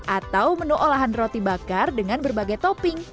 atau menu olahan roti bakar dengan berbagai topping